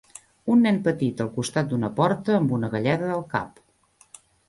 Un nen petit al costat d'una porta amb una galleda al cap.